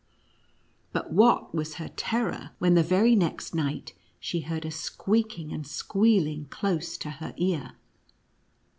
But what was her terror, when the very next night she heard a squeaking and squealing close to her ear